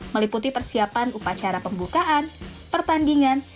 meliputi persiapan upacara pembukaan pertandingan